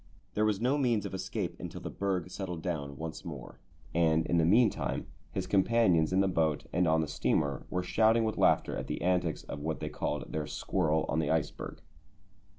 There was no means of escape until the berg settled down once more, and in the meantime his companions in the boat and on the steamer were shouting with laughter at the antics of what they called their squirrel on the iceberg.